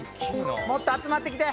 もっと集まってきて！